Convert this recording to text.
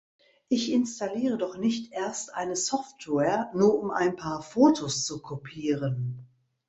Ich installiere doch nicht erst eine Software, nur um ein paar Fotos zu kopieren!